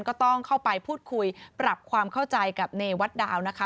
ก็ต้องเข้าไปพูดคุยปรับความเข้าใจกับเนวัดดาวนะคะ